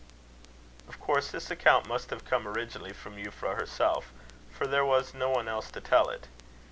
Of course this account must have come originally from Euphra herself, for there was no one else to tell it.